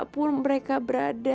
dimanapun mereka berada